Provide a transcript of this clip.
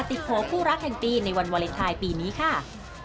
ติดโพกผู้รักแห่งปีในวันวาเลนไทน์ปีนี้ค่ะ